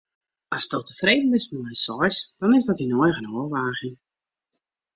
Asto tefreden bist mei in seis, dan is dat dyn eigen ôfwaging.